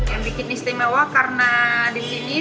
yang bikin istimewa karena di sini